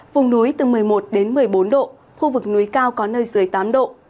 vùng núi từ một mươi một đến một mươi bốn độ khu vực núi cao có nơi dưới tám độ